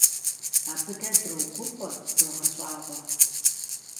Абы дэ дрогуфӀэ, догъэщӀагъуэ.